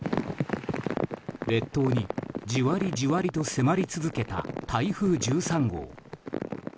列島に、じわりじわりと迫り続けた台風１３号。